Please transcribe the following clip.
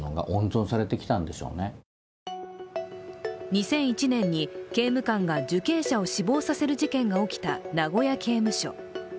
２００１年に刑務官が受刑者を死亡させる事件が起きた名古屋刑務所。